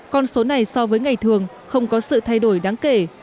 con số này so với ngày thường không có sự thay đổi đáng kể